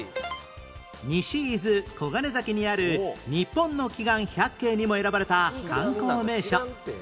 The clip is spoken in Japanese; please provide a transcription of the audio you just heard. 西伊豆黄金崎にある日本の奇岩百景にも選ばれた観光名所